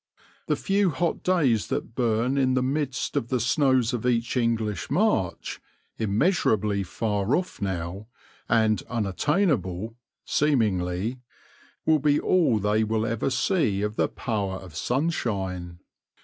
The few hot days that burn in the midst of the snows of each English March — immeasurably far off now, and unattainable, seemingly — will be all they will ever see of the power of sunshine.